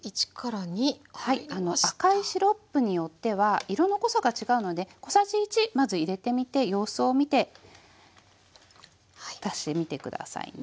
赤いシロップによっては色の濃さが違うので小さじ１まず入れてみて様子を見て足してみて下さいね。